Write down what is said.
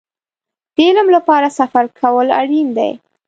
د علم لپاره سفر کول اړين دی.